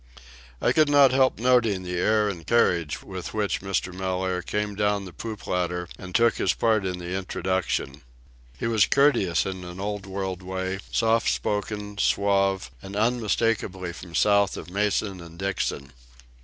I could not help noting the air and carriage with which Mr. Mellaire came down the poop ladder and took his part in the introduction. He was courteous in an old world way, soft spoken, suave, and unmistakably from south of Mason and Dixon.